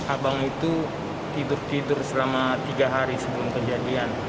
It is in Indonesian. abang itu tidur tidur selama tiga hari sebelum kejadian